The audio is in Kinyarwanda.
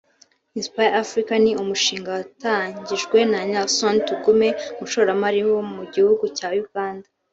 Inspire Africa” ni umushinga watangijwe na Nelson Tugume umushoramali wo mu gihugu cya Uganda